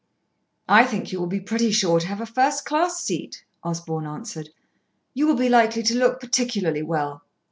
"I think you will be pretty sure to have a first class seat," Osborn answered. "You will be likely to look particularly well."